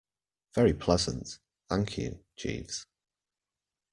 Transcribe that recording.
Very pleasant, thank you, Jeeves.